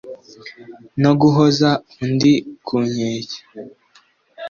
no guhoza undi ku nkeke